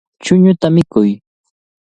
Chuñuta mikuy.